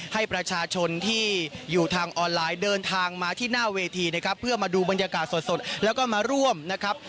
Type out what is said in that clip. ให้ประชาชนที่อยู่ทางออนไลน์เดินทางมาที่หน้าเวทีนะครับเพื่อมาดูบรรยากาศสดแล้วก็มาร่วมนะครับ